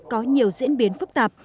có nhiều diễn biến phức tạp